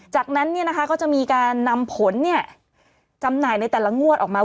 จากนั้นก็จะมีการนำผลจำหน่ายในแต่ละงวดออกมา